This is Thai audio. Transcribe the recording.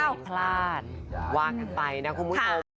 พลาดว่ากันไปนะคุณผู้ชม